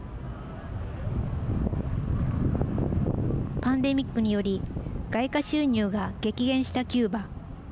パンデミックにより外貨収入が激減したキューバ。